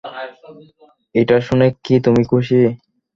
এটা শোনে কী তুমি খুশি?